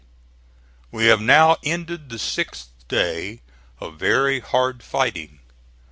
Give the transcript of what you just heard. We have now ended the 6th day of very hard fighting.